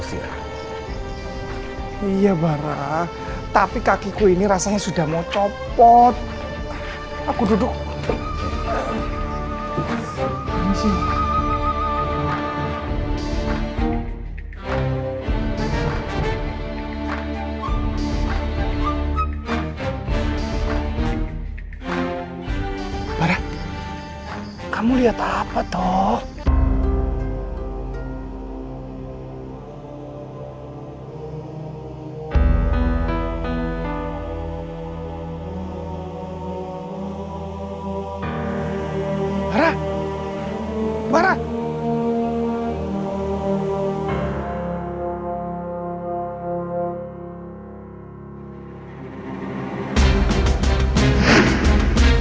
sebenarnya kita ini memiliki kemampuan untuk berbicara dengan orang lain